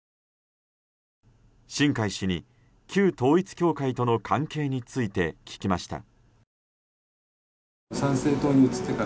新開氏に旧統一教会との関係について聞きました。